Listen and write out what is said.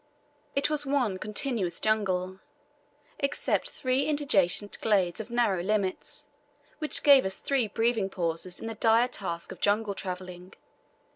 It was one continuous jungle, except three interjacent glades of narrow limits, which gave us three breathing pauses in the dire task of jungle travelling.